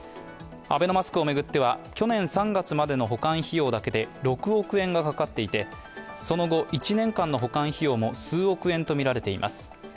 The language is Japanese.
アベノマスクを巡っては去年３月までの保管費用だけで６億円がかかっていてその後、１年間の保管費用も数億円とみられています。